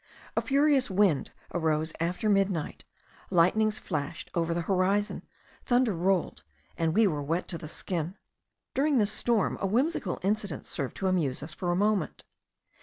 A furious wind arose after midnight, lightnings flashed over the horizon, thunder rolled, and we were wet to the skin. During this storm a whimsical incident served to amuse us for a moment.